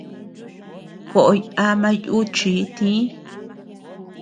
Koʼoy ama yuchii tï.